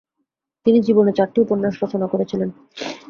তিনি জীবনে চারটি ডপন্যাস রচনা করেছিলেন।